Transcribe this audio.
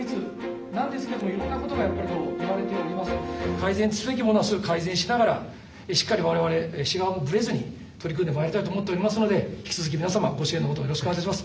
改善すべきものはすぐ改善しながらしっかり我々市側もぶれずに取り組んでまいりたいと思っておりますので引き続き皆様ご支援のほどよろしくお願いいたします。